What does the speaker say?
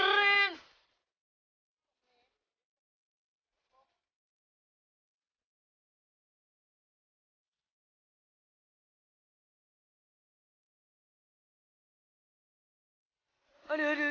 bapak apa takut apa